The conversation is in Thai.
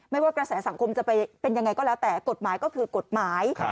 ว่ากระแสสังคมจะไปเป็นยังไงก็แล้วแต่กฎหมายก็คือกฎหมาย